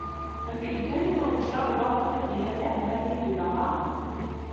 هل بإمكانكم إجراء بعض التعديلات على هذه البضاعة ؟